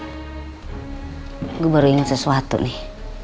oh iya ndi gua baru inget sesuatu nih